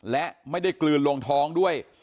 และไม่ได้กลืนลงท้องด้วย